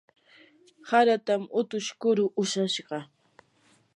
haratam utush kuru ushashqa.